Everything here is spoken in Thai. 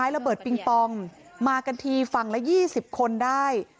ระเบิดปิงปองมากันทีฝั่งละ๒๐คนได้